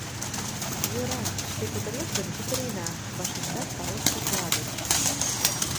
— Йӧра, шке кутырет гын, кутырена, — вашештат калык кокла гыч.